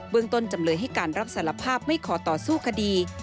ต้นจำเลยให้การรับสารภาพไม่ขอต่อสู้คดี